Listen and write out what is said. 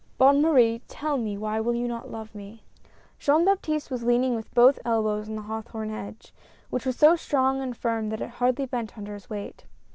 " Bonne Marie, tell me, why you will not love me ?" Jean Baptiste was leaning with both elbows on the hawthorn hedge, which was so strong and firm that it hardly bent under his weight.